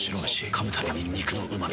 噛むたびに肉のうま味。